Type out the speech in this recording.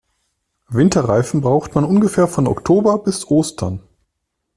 Winterreifen braucht man ungefähr von Oktober bis Ostern.